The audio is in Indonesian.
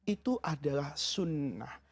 itu adalah sunnah